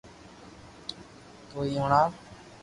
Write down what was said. تو ھي ھڻاو